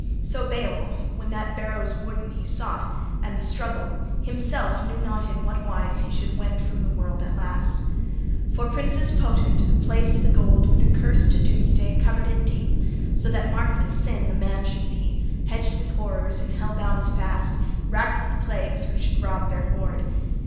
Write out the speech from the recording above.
So Beowulf, when that barrow's warden he sought, and the struggle; himself knew not in what wise he should wend from the world at last. For {40c} princes potent, who placed the gold, with a curse to doomsday covered it deep, so that marked with sin the man should be, hedged with horrors, in hell bonds fast, racked with plagues, who should rob their hoard.